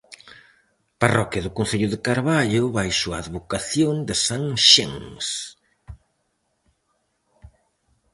Parroquia do concello de Carballo baixo a advocación de san Xens.